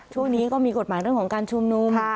ช่วงนี้ก็มีกฎหมายเรื่องของการชุมนุม